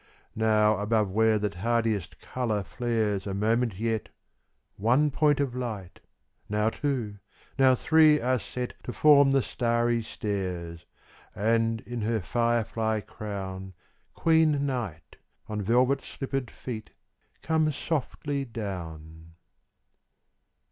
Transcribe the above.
Now above where the tardiest color flares a moment yet, One point of light, now two, now three are set To form the starry stairs,— And, in her fire fly crown, Queen Night, on velvet slippered feet, comes softly down.